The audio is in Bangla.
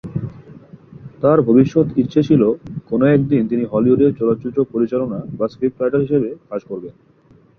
তার ভবিষ্যৎ ইচ্ছা ছিলো, কোনো একদিন তিনি হলিউডে চলচ্চিত্র পরিচালনা বা স্ক্রিপ্ট রাইটার হিসেবে কাজ করবেন।